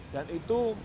dan itu berhasil